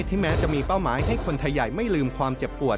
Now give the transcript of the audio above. แม้จะมีเป้าหมายให้คนไทยใหญ่ไม่ลืมความเจ็บปวด